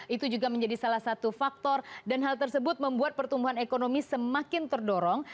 itu juga menjadi salah satu faktor dan hal tersebut membuat pertumbuhan ekonomi semakin terdorong